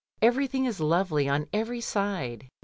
Everything is lovely on every side.